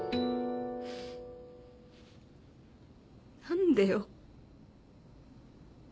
何でよ？